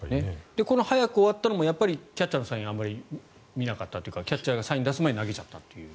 この、早く終わったのもキャッチャーのサインをあまり見なかったというかキャッチャーがサインを出す前に投げちゃったという。